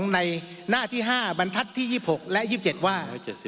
ในหน้าที่๕บรรทัศน์ที่๒๖และ๒๗ว่า